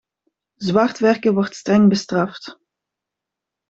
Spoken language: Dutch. Zwartwerken wordt streng bestraft.